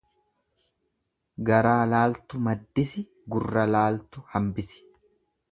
Garaa laaltu maddisi gurra laaltu hambisi.